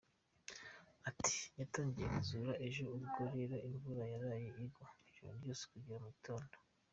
Ati “Yatangiye kuzura ejo, ubwo rero imvura yaraye igwa ijoro ryose kugera mu gitondo.